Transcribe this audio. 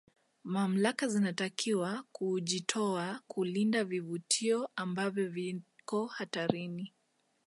mamlaka zinatakiwa kuujitoa kulinda vivutio ambavyo viko hatarini